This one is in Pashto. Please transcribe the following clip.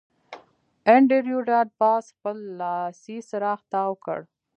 انډریو ډاټ باس خپل لاسي څراغ تاو کړ